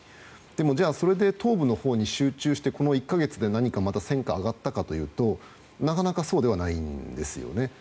でもそれで東部のほうに集中してこの１か月でまた何か戦果が挙がったかというと、なかなかそうではないんですよね。